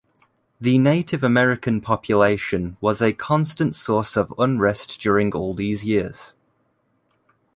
The Native American population was a constant source of unrest during all these years.